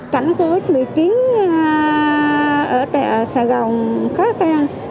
cảnh covid một mươi chín ở sài gòn khó khăn